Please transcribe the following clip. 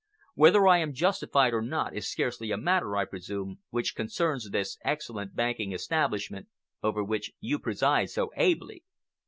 Whether I am justified or not is scarcely a matter, I presume, which concerns this excellent banking establishment over which you preside so ably.